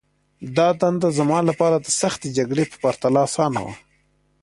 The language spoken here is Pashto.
دا دنده زما لپاره د سختې جګړې په پرتله آسانه وه